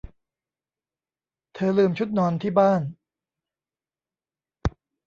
เธอลืมชุดนอนที่บ้าน